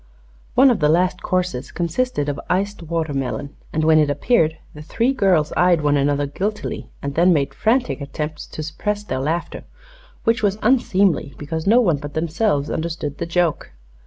One of the last courses consisted of iced watermelon, and when it appeared the three girls eyed one another guiltily and then made frantic attempts to suppress their laughter, which was unseemly because no one but themselves understood the joke.